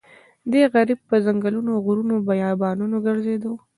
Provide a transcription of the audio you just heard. دی غریب په ځنګلونو غرونو بیابانونو ګرځېده.